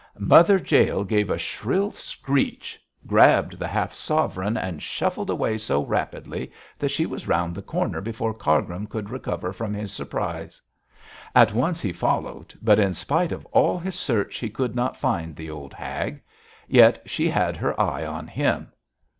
Mother Jael gave a shrill screech, grabbed the half sovereign, and shuffled away so rapidly that she was round the corner before Cargrim could recover from his surprise. At once he followed, but in spite of all his search he could not find the old hag. Yet she had her eye on him.